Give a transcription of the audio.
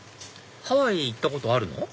ハワイへ行ったことあるの？